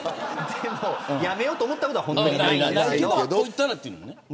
でも辞めようと思ったことは本当にないです。